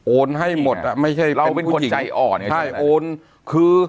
โอนให้หมดอ่ะไม่ใช่เราเป็นผู้หญิงใช่โอนคือ